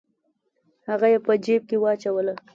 هغه یې په جیب کې واچوله.